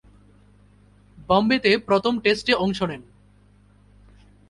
বোম্বেতে প্রথম টেস্টে অংশ নেন।